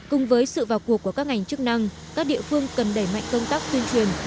cùng với sự vào cuộc của các ngành chức năng các địa phương cần đẩy mạnh công tác tuyên truyền